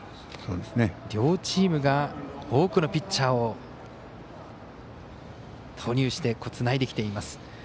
両チームが多くのピッチャーを投入してつないできています。